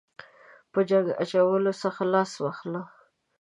په جنګ اچولو څخه لاس واخله.